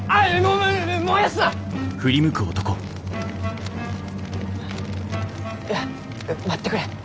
うん待ってくれ。